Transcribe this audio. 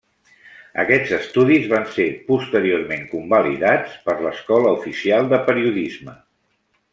Aquests estudis van ser posteriorment convalidats per l'Escola Oficial de Periodisme.